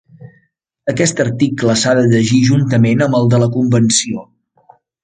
Aquest article s'ha de llegir juntament amb el de la Convenció.